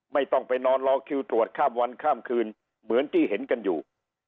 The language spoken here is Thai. ไม่ต้องไปนอนรอคิวตรวจข้ามวันข้ามคืนเหมือนที่เห็นกันอยู่